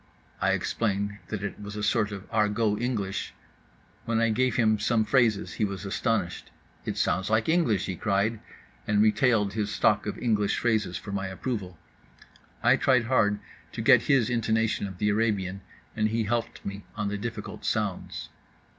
I explained that it was a sort of Argot English. When I gave him some phrases he was astonished—"It sounds like English!" he cried, and retailed his stock of English phrases for my approval. I tried hard to get his intonation of the Arabian, and he helped me on the difficult sounds.